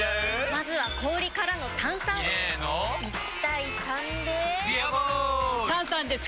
まずは氷からの炭酸！入れの１：３で「ビアボール」！